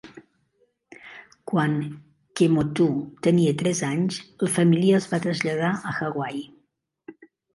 Quan Kemoeatu tenia tres anys, la família es va traslladar a Hawaii.